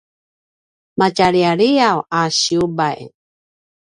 matjaliyaliyav a siyubay